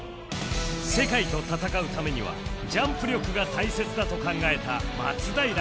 世界と戦うためにはジャンプ力が大切だと考えた松平監督